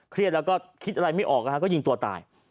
เครียดแล้วก็คิดอะไรไม่ออกก็ยิงตัวตาย